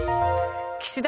岸田